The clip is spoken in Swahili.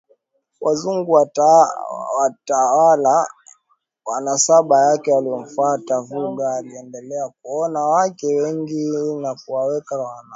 Wazungu Watawala wa nasaba yake waliomfuata Vuga waliendelea kuoa wake wengi na kuweka wana